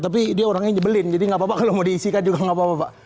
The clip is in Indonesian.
tapi dia orangnya jebelin jadi nggak apa apa kalau mau diisikan juga nggak apa apa pak